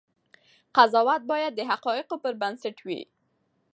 قضاوت باید د حقایقو پر بنسټ وي.